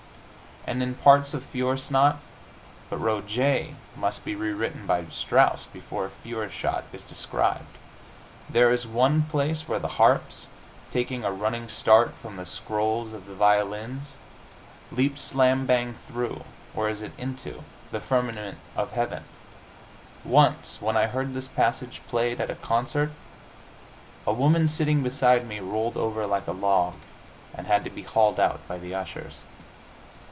And in parts of "Feuersnot" but Roget must be rewritten by Strauss before "Feuersnot" is described. There is one place where the harps, taking a running start from the scrolls of the violins, leap slambang through (or is it into?) the firmament of Heaven. Once, when I heard this passage played at a concert, a woman sitting beside me rolled over like a log, and had to be hauled out by the ushers.